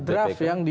draft yang di